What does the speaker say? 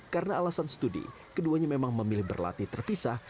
karena alasan studi keduanya memang memilih berlatih terpisah